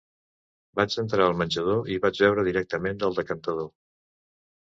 Vaig entrar al menjador i vaig beure directament del decantador.